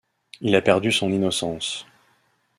Il a perdu son innocence.